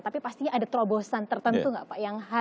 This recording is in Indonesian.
tapi pastinya ada terobosan tertentu nggak pak